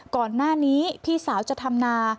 ก่อนหน้านี้พี่สาวจะทำนา